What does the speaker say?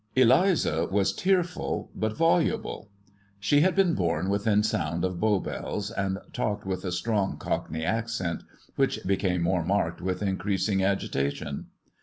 Eliza was tearful but voluble. She had been born within sound of Bow Bells, and talked with a strong cockney accent, which became more marked with increasing agita tion.